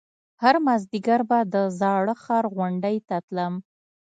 هر مازديگر به د زاړه ښار غونډۍ ته تلم.